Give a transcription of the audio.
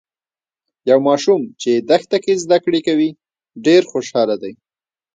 یو ماشوم چې دښته کې زده کړې کوي، ډیر خوشاله دی.